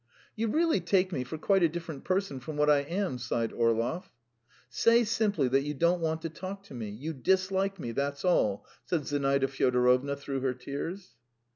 "You really take me for quite a different person from what I am," sighed Orlov. "Say simply that you don't want to talk to me. You dislike me, that's all," said Zinaida Fyodorovna through her tears.